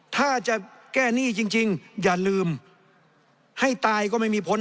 ถ้าจะแก้หนี้จริงอย่าลืมให้ตายก็ไม่มีผล